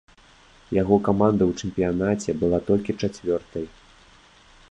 Яго каманда ў чэмпіянаце была толькі чацвёртай.